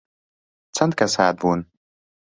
چەند کەس هاتبوون؟